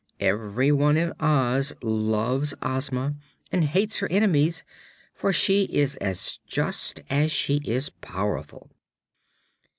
Everyone in Oz loves Ozma and hates her enemies, for she is as just as she is powerful."